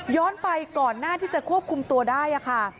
ไปก่อนหน้าที่จะควบคุมตัวได้ค่ะ